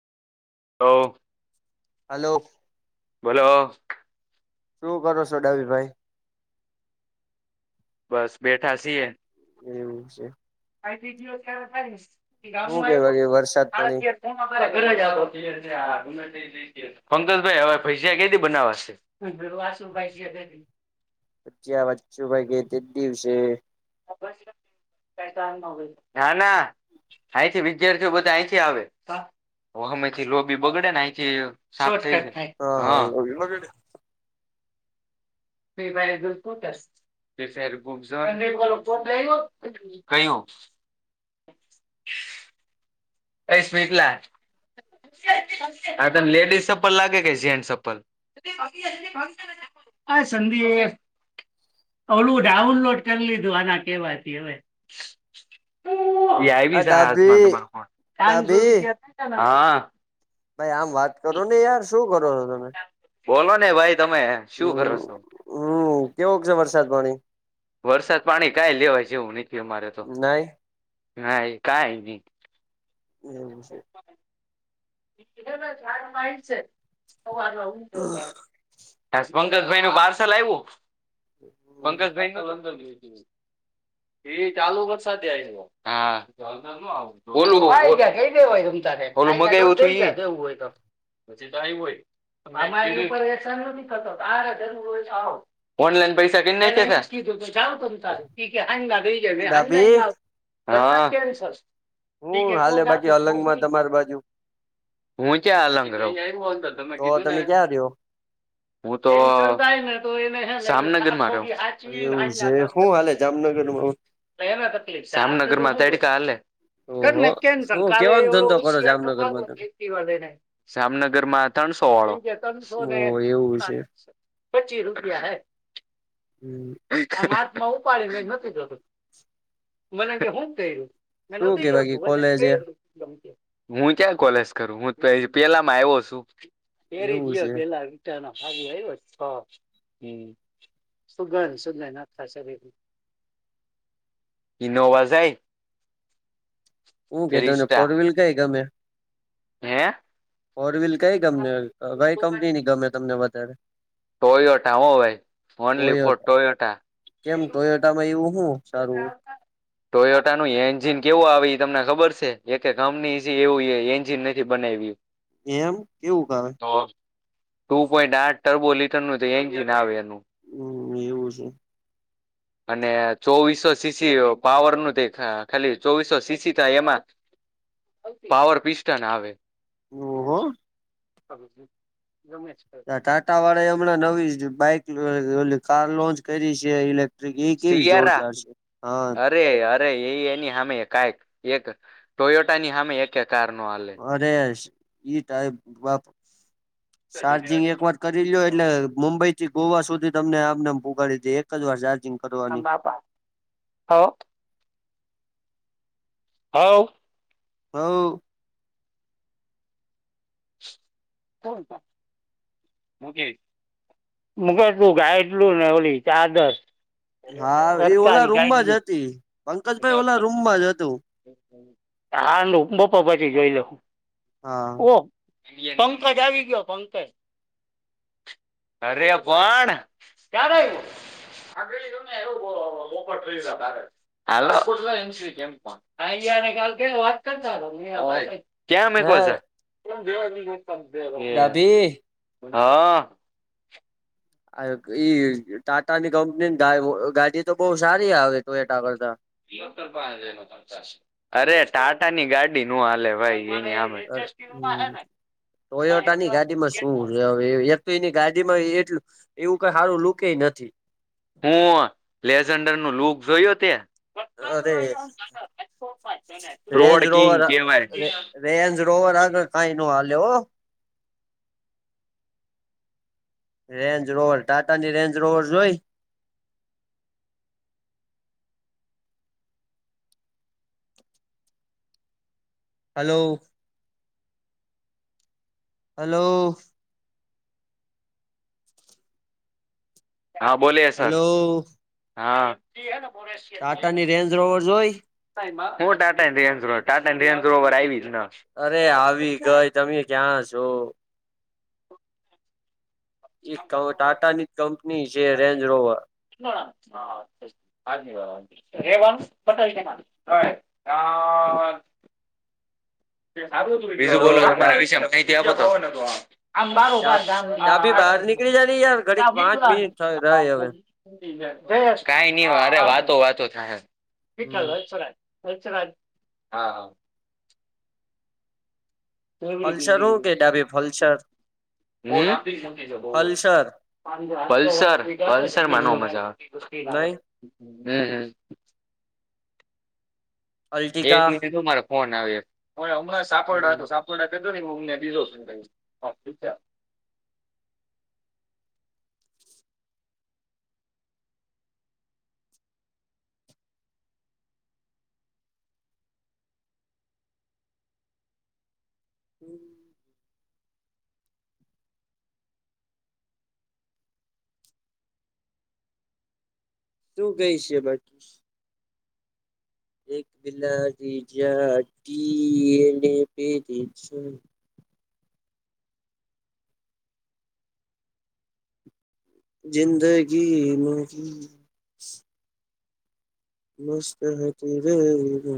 Hello hello બોલો શું કરો છો ડાબીભાઈ બસ બેઠા છીએ એમ છે. [unintelligible] હું કેવા ગામમાં કે વરસાદ પાણી આયવુ [unintelligible] ઘરે જાતો [unintelligible] પંકજભાઈ હવે ભજીયા કેદી બનાવા શે? વાસુભાઈ કે તે દી. ભજીયા વાચુભાઈ કે તે દિવસે. કાઈ કામ ના હોય. ના, ના અઈથી વિદ્યાર્થીઓ બધા અઈથી આવે. ઓ હોમેથી લોબી બગડે ને અઈથી સાફ થઈ જાય. અ હન હા લવ યુ લવ યુ ડે બેય ભાઈઓ જોડ સ્કૂટર [unintelligible] [unintelligible] કયુ એઈ સ્વીટલા આ તન લેડીઝ સપ્પલ લાગે કે જેન્સ સપ્પલ? [unintelligible] એ સંદીપ. ઓલું ડાઉનલોડ કરી લીધું, આના કેવાથી હવે એ આયવી આ ઝ હાઝમાં ડાભી [unintelligible] પાનસો ડાભી રૂપિયા ખાતામાં. હા. ભાઈ, આમ વાત કરો ને યાર. શું કરો છો તમે? બોલો ને ભાઈ, તમે શું કરો શો? કેવુક છે વરસાદ પાણી? વરસાદ પાણી કાઈ લેવાય જેવું નથી અમારે તો. નાઈ હા, એ કાઈ ની. એવુ શે. ઈતનેમે ચાર વાઈ શે, સવારમાં ઉઠો ત્યારે. હાસુ પંકજભાઈનું પાર્સલ આયવું. પંકજભાઈ [unintelligible] એ ચાલુ વરસાદે આયવો. હા. અંદર ન આવુ [unintelligible] [unintelligible] ઓલુ મગાવ્યું તું ઈ [unintelligible] [unintelligible] ઈ કોઈ અહેસાન નથી થતો. [unintelligible] ઓનલાઈન પૈસા ડાભી [unintelligible] [unintelligible] હન. હું હાલે બાકી અલંગમાં [unintelligible] તમારી બાજુ હું ક્યાં અલંગ રવ. તો તમે ક્યાં રયો? હું તો [inaudible] જસામનગરમાં રઉ એવું છે હું [unintelligible] હાલે જામનગરમાં [unintelligible] કરને ઓહો શું કેવાનો ધંધો કરો જામનગરમાં તમે [unintelligible] જામનગર માં ત્રણસો ત્રણસો ઓ ને એવું છે પચી રૂપિયા હૈ હમ આમ હાથમાં ઉપાડીને નથી જતું, મને કે હું કયરુ. ને શું કે નથી જતુ બાકી કોલેજ [unintelligible] મુ ચ્યાં કોલેઝ કરું. હું પઈ પેલામાં આયવો શું. પેરી એવું વિયર છે પેલા વિચારના આજે આયવો સ્ટોક. હમ. સુુંગંધ-સુગંધ આખા શરીરમાં. ઈનોવા ઝાય ઉ કે તને ફોર વ્હીલ કઈ ગમે? હે. ફોર વ્હીલ કઈ કમની અ કઈ કંપનીની ગમે તમને વધારે? ટોયોટા હો ભઈ ઓનલી ફોર ટોયોટા. કેમ પેલું ટોયોટામાં એવું હું સારું હોય ટોયટાનું એન્જિન કેવુ આવે ઈ તમને ખબર શે. એકે કંપનીએ ઝી એવુ એ-એન્જિન નથી બનાવ્યું. એમ, કેવુંક આવે? ટુ પોઈન્ટ આઠ ટરબો લીટરનું તો એન્જિન આવે એનું. હમ, એવું છે. અને ચોવીસો સી સી પાવરનું તે ખા-ખાલી ચોવીસો સી સી થાય એમાં પાવર પિસ્ટાન આવે ઓહો [inaudible] ટાટા વાળા એ હમણાં નવી બાઈક કાર લોન્ચ કરી છે ઈ કેવી સિયારા જોરદાર છે હા. અરે એ એની હામે કાઈક એક ટોયોટાની હામે એક એક. અરે [inaudible] ચાર્જિંગ એક વાર કરી લો એટલે મુંબઈ થી ગોવા સુધી તમને આમને આમ પોગાડી દે એક જ વાર ચા આમ બાપા હ હાવ હવ બોલ ને હું કેય [unintelligible] ગાય એટલું ઓલી ચાદર ‌ હા એ ઓલા સરકારી રૂમમાં જ ગાડી હતી પંકજભાઈ ઓલા રૂમમાં જ હતું [unintelligible] હાલો બોપર પછી જોઈ લેહુ હા પંકજ આવી ગીયો પંકજ અરે કોણ ક્યા રહ્યું. આ ગળ તમને એવું બોલો પોપટ થઈ જાવ ત્યારે હાલો ક્યાંમ એકવાજા ડાબી હા ઈ ટાટા ની કંપનીની ગાડી તો બહુ સારી આવે ટોયટા કરતા. અરે ટાટાની ગાડી નો હાલે ભાઈ એની હામે અરે હ ટોયટાની ગાડી માં શું હવે વ્યક્તિ ની ગાડી એટલ એવું કઈ સારું લુકે નથી. હું લેઝન્ડર નું લુક જોયો ત અરે રેન્જ રોડ કિંગ ર કેવાય રેજ બોવર આગળ કઈ ન હાલ્યો રેન્જ રોવર ટાટાની રેન્જ રોવર જોઈ [unintelligible] હલો હલો હા બોલે સર હલો હા ટાટાની રેન્જ રોવર જોઈ હું Tata Range Rover Tata Range Rover આવી જ અરે આવી ગઈ તમે ક્યાં છો. એક ટાટા ની કંપની છે રેન્જ રોવર શ હા આ સાચી વાત છે રેવાન્સ બટલ હ [unintelligible] બીજું હલો બોલો ડા તમારા વિશે માહિતી આપો હોને. ડા ડાભી બહાર નીકળી જા ની યાર ઘડીક આ પાંચ મિનિટ થઈ રહી હવે બરોબર. [unintelligible] કઈ ન અરે વાતો વાતો [unintelligible] હમ ખાલચરાચરા હા હ ફલસર હો કે ડાબે ફલસર મો જ [unintelligible] અલ્સર અલસર મા ન હમ મજા નહી આવે હમ હ એક અલ્ટિકા મિનિટું મારે ફોન આવ હ હમણાં સાપોડા હમ હતું સાપોડા નેટસ હમ શું કઈ છે બું એક બિલા રજા ટડી એને પે દજું જિંદગીનુંકી નસ્ હ [unintelligible]